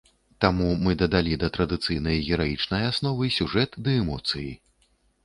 Таму мы дадалі да традыцыйнай гераічнай асновы сюжэт ды эмоцыі.